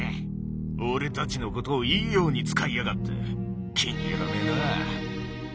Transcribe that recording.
俺たちのことをいいように使いやがって気に入らねえな。